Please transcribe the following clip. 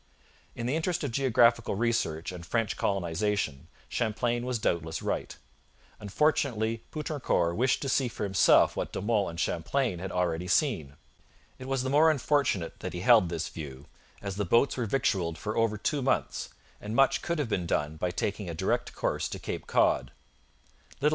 In the interest of geographical research and French colonization Champlain was doubtless right. Unfortunately, Poutrincourt wished to see for himself what De Monts and Champlain had already seen. It was the more unfortunate that he held this view, as the boats were victualled for over two months, and much could have been done by taking a direct course to Cape Cod.